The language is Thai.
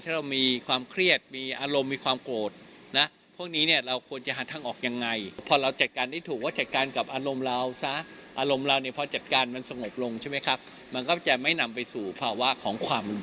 ถ้าเรามีความเครียดมีอารมณ์มีความโกรธนะพวกนี้เนี่ยเราควรจะหาทางออกยังไงพอเราจัดการได้ถูกว่าจัดการกับอารมณ์เราซะอารมณ์เราเนี่ยพอจัดการมันสงบลงใช่ไหมครับมันก็จะไม่นำไปสู่ภาวะของความ